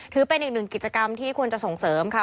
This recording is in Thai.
ถือเป็นอีกหนึ่งกิจกรรมที่ควรจะส่งเสริมค่ะ